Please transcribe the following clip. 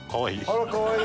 あらかわいい。